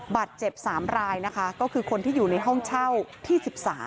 เจ็บ๓รายนะคะก็คือคนที่อยู่ในห้องเช่าที่๑๓